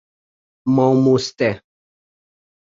Mamoste